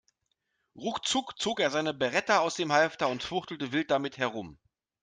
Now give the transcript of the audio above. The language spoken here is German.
Ruckzuck zog er seine Beretta aus dem Halfter und fuchtelte wild damit herum.